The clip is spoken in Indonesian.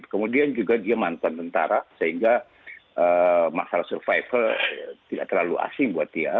kemudian juga dia mantan tentara sehingga masalah survival tidak terlalu asing buat dia